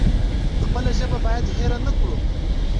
خپله ژبه بايد هېره نکړو.